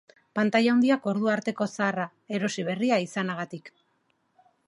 Pantaila handiak ordu arteko zaharra, erosi berria izana gatik.